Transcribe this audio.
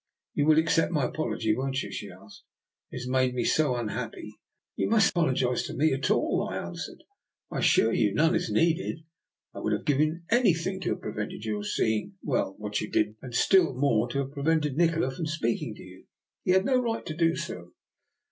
" You will accept my apology, won't you?" she asked; "it has made me so un happy." " You must not apologise to me at all," I answered; "I assure you none is needed. I would have given anything to have prevented your seeing — well, what you did, and still more to have prevented Nikola from speaking to you. He had no right to do so."